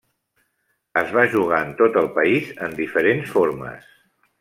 Es va jugar en tot el país en diferents formes.